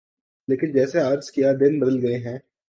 لیکن جیسے عرض کیا دن بدل گئے ہیں۔